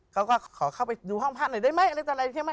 เขาก็ขอเข้าไปดูห้องพระหน่อยได้ไหมอะไรใช่ไหม